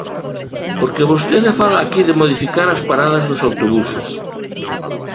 Porque vostede fala aquí de modificar as paradas dos autobuses.